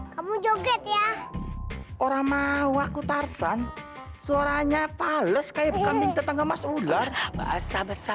kamu joget ya orang mawaku tarsan suaranya pales kayak minta tangga mas ular basah basah